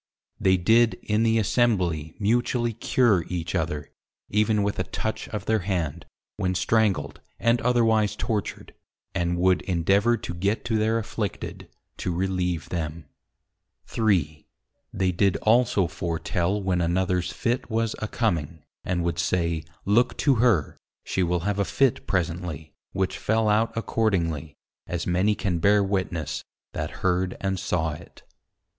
They did in the Assembly mutually Cure each other, even with a Touch of their Hand, when Strangled, and otherwise Tortured; and would endeavour to get to their Afflicted, to relieve them. 3. They did also foretel when anothers Fit was a coming, and would say, Look to her! she will have a Fit presently, which fell out accordingly, as many can bear witness, that heard and saw it.